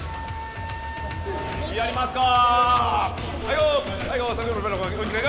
・やりますか！